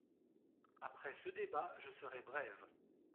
Après ce débat, je serai brève.